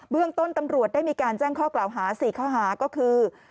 เรื่องต้นตำรวจได้มีการแจ้งข้อกล่าวหา๔ข้อหาก็คือ